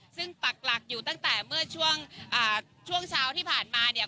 ซึ่งปักหลักอยู่ตั้งแต่เมื่อช่วงเช้าที่ผ่านมาเนี่ย